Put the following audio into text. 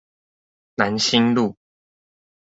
楠梓路